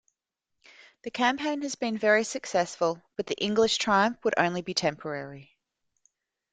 The campaign had been very successful, but the English triumph would only be temporary.